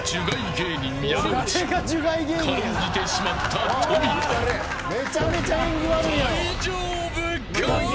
芸人山内を軽んじてしまった富田大丈夫か。